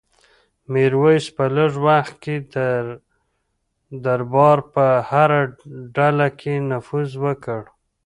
میرویس په لږ وخت کې د دربار په هره ډله کې نفوذ وکړ.